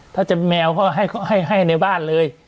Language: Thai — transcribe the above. ถ้าจะเป็นแมวก็ให้ในบ้านเลย